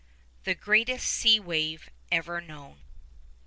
_THE GREATEST SEA WAVE EVER KNOWN.